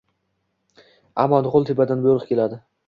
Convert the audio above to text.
Ammo nuqul tepadan buyruq keladi